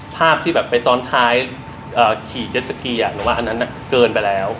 ภาพที่แบบไปซ้อนท้ายขี่เจ็ดสกีหนูว่าอันนั้นเกินไปแล้ว